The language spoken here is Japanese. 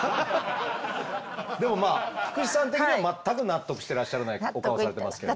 でもまあ菊地さん的には全く納得してらっしゃらないお顔をされてますけれども。